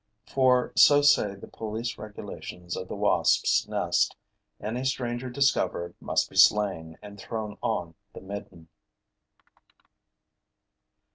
For so say the police regulations of the wasps' nest: any stranger discovered must be slain and thrown on the midden.